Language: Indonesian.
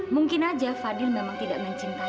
mungkin aja fadil memang tidak mencintai